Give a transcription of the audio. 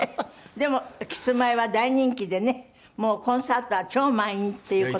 でもキスマイは大人気でねもうコンサートは超満員っていう事で。